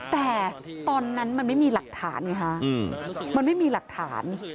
แต่ตอนนั้นมันไม่มีหลักฐานไงคะมันไม่มีหลักฐาน